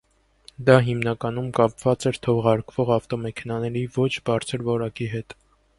Դա հիմնականում կապված էր թողարկվող ավտոմեքենաների ոչ բարձր որակի հետ։